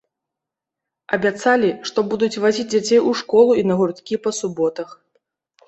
Абяцалі, што будуць вазіць дзяцей у школу і на гурткі па суботах.